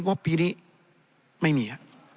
งบปีนี้ไม่มี